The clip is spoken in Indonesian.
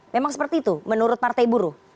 memang seperti itu menurut partai buruh